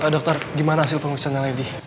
dokter gimana hasil pengurusannya lady